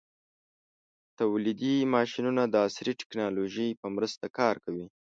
تولیدي ماشینونه د عصري ټېکنالوژۍ په مرسته کار کوي.